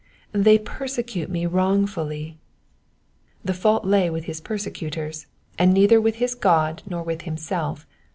^''They persecute me wrongfully,'*'* The fault lay with his persecutors, and neither with his God nor with himself.